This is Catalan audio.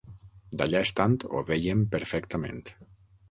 D'allà estant ho vèiem perfectament.